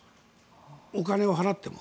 お金を払っても。